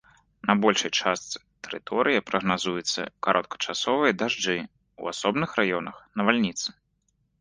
На большай частцы тэрыторыі прагназуюцца кароткачасовыя дажджы, у асобных раёнах навальніцы.